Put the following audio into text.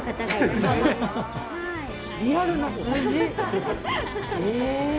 リアルな数字。